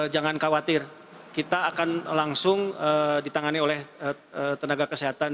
jangan khawatir kita akan langsung ditangani oleh tenaga kesehatan